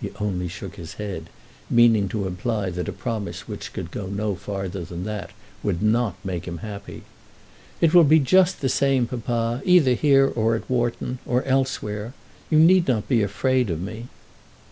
He only shook his head, meaning to imply that a promise which could go no farther than that would not make him happy. "It will be just the same, papa, either here, or at Wharton, or elsewhere. You need not be afraid of me."